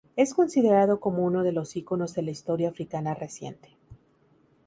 Es considerado como uno de los iconos de la historia africana reciente.